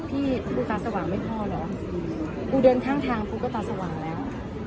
พี่ปูตาสว่างไม่พอเหรอกูเดินข้างทางกูก็ตาสว่างแล้ว